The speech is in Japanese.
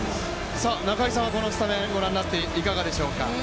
中居さんはこのスタメンご覧になっていかがでしょうか？